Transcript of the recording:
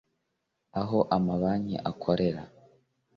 aho amabanki akorera